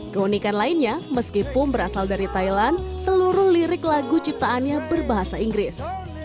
keunikan lainnya meski pum berasal dari thailand seluruh lirik lagu ciptaannya berbahasa inggris